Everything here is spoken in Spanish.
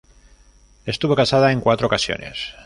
Estuvo casada en cuatro ocasiones.